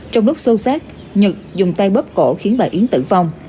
trong lúc sâu sát nhật dùng tay bấp cổ khiến bà yến tử vong